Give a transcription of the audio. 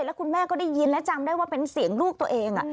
แล้วคุณแม่ก็ได้ยินและจำได้ว่าเป็นเสียงลูกตัวเอง